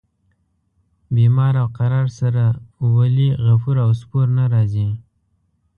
بیمار او قرار سره ولي غفور او سپور نه راځي.